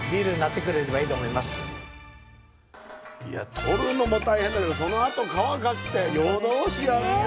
取るのも大変だけどそのあと乾かして夜通しやってるという。